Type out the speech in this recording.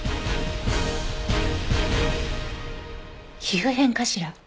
皮膚片かしら？